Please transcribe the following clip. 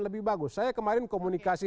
lebih bagus saya kemarin komunikasi